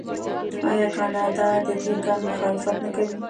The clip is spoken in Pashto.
آیا کاناډا د دې کار مخالفت نه کوي؟